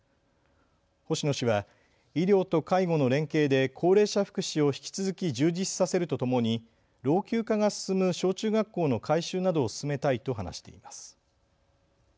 星野氏は医療と介護の連携で高齢者福祉を引き続き充実させるとともに老朽化が進む小中学校の改修などを進めたいと話しています。